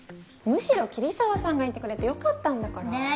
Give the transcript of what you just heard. むしろ桐沢さんがいてくれてよかったんだから。